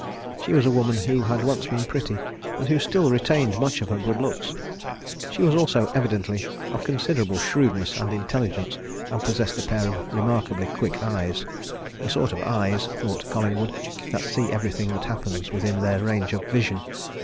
She was a woman who had once been pretty, and who still retained much of her good looks; she was also evidently of considerable shrewdness and intelligence and possessed a pair of remarkably quick eyes the sort of eyes, thought Collingwood, that see everything that happens within their range of vision.